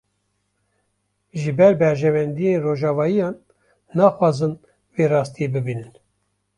Ji ber berjewendiyên rojavayiyan, naxwazin vê rastiyê bibînin